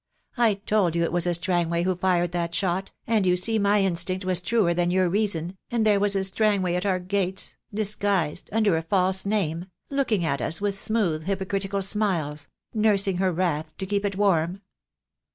I told you it was a Strangway who fired that shot, and you see my instinct was truer than your reason — and there was a Strangway at our gates — disguised — under a false name — looking at us with smooth, hypocritical smiles — nursing her wrath to keep it warm."